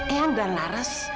eyang dan laras